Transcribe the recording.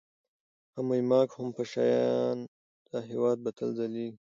هم ايـــماق و هم پـــشــه یــــیــان، دا هـــیــواد به تــل ځلــــــیــــږي